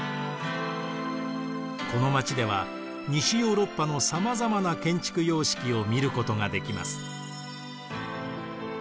この街では西ヨーロッパのさまざまな建築様式を見ることができます。